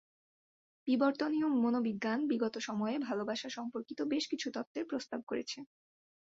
বিবর্তনীয় মনোবিজ্ঞান বিগত সময়ে ভালোবাসা সম্পর্কিত বেশ কিছু তত্ত্বের প্রস্তাব করেছে।